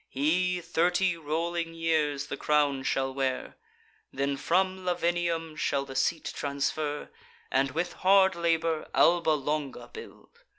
He thirty rolling years the crown shall wear, Then from Lavinium shall the seat transfer, And, with hard labour, Alba Longa build.